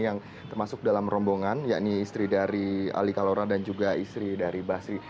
yang termasuk dalam rombongan yakni istri dari ali kalora dan juga istri dari basri